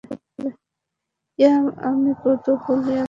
Yeah আমি কৌতূহলী, আপনি কি মনে করেন?